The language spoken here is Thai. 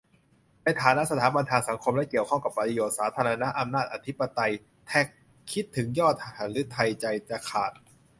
ในฐานะสถาบันทางสังคมและเกี่ยวข้องกับประโยชน์สาธารณะ-อำนาจอธิปไตย แท็ก คิดถึงยอดหฤทัยใจจะขาด